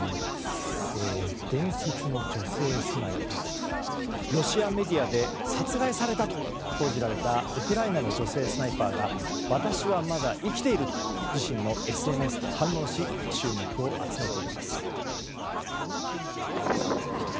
伝説の女性スナイパーというロシアメディアで殺害されたと報じられたウクライナの女性スナイパーが私はまだ生きていると自身のＳＮＳで反論し注目を集めています。